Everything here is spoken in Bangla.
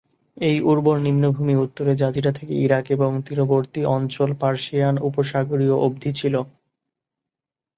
এই উর্বর নিম্নভূমি উত্তরে জাজিরা থেকে ইরাক এবং তীরবর্তী অঞ্চল পার্সিয়ান উপসাগরীয় অবধি ছিল।